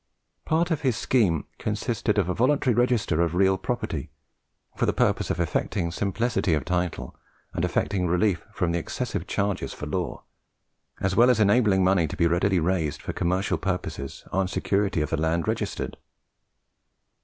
Part of his scheme consisted of a voluntary register of real property, for the purpose of effecting simplicity of title, and obtaining relief from the excessive charges for law, as well as enabling money to be readily raised for commercial purposes on security of the land registered.